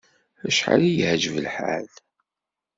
Acḥal i y-iεǧeb lḥal!